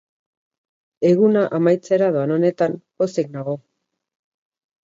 Eguna amaitzera doan honetan, pozik nago.